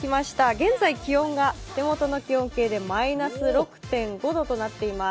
現在、気温は手元の気温計でマイナス６．５度となっています。